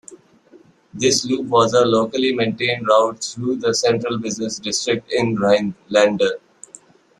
This loop was a locally maintained route through the central business district in Rhinelander.